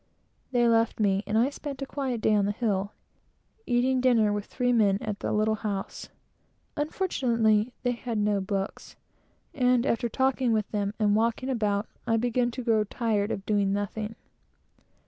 They left me, and I spent a quiet day on the hill, eating dinner with the three men at the little house. Unfortunately, they had no books, and after talking with them and walking about, I began to grow tired of doing nothing.